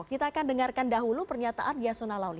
kita akan dengarkan dahulu pernyataan yasona lawli